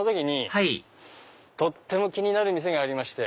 はいとっても気になる店がありまして。